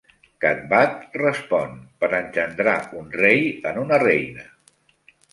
Cathbad respon, "per engendrar un rei en una reina".